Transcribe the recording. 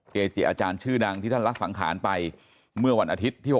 เกจิอาจารย์ชื่อดังที่ท่านละสังขารไปเมื่อวันอาทิตย์ที่